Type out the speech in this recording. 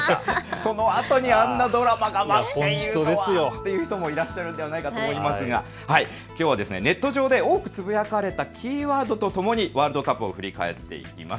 そのあとにあんなドラマが待っているとはという方もいらっしゃるのではないかと思いますがきょうはネット上で多くつぶやかれたキーワードとともにワールドカップを振り返っていきます。